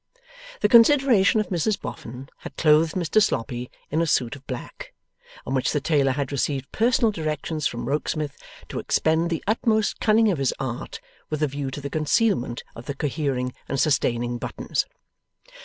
The consideration of Mrs Boffin had clothed Mr Sloppy in a suit of black, on which the tailor had received personal directions from Rokesmith to expend the utmost cunning of his art, with a view to the concealment of the cohering and sustaining buttons.